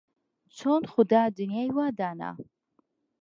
چون خودا دنیای وا دانا